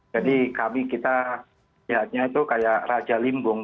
jadi kami kita lihatnya itu kayak raja limbung